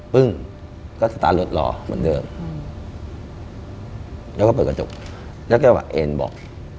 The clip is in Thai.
ปึ้งก็สตาร์ทรถรอเหมือนเดิมแล้วก็เปิดกระจกแล้วแกบอกเอ็นบอก